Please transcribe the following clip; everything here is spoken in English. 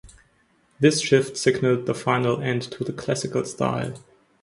This shift signaled the final end to the Classical style.